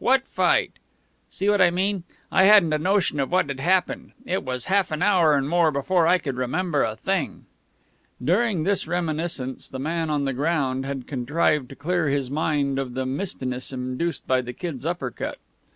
'What fight?' See what I mean? I hadn't a notion of what had happened. It was half an hour and more before I could remember a thing." During this reminiscence, the man on the ground had contrived to clear his mind of the mistiness induced by the Kid's upper cut.